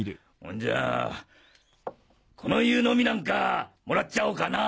んじゃこの湯のみなんかもらっちゃおうかな